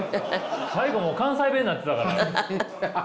最後もう関西弁になってたから。